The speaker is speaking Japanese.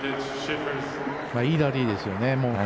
いいラリーですよね。